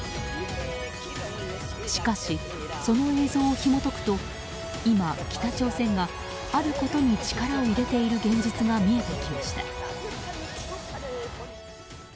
しかし、その映像をひも解くと今、北朝鮮があることに力を入れている現実が見えてきました。